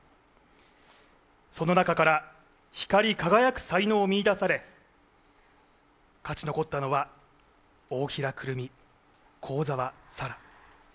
その中から光り輝く才能を見いだされ、勝ち残ったのは大平くるみ、幸澤沙良。